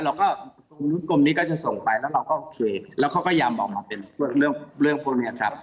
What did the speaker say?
เราก็กรมนี้ก็จะส่งไปแล้วเราก็อย่ามองมาเป็นเรื่องพวกนี้ครับ